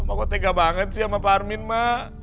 mak kok tega banget sih sama pak arwin mak